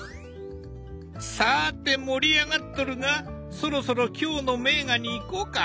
さて盛り上がっとるがそろそろ今日の名画にいこうか。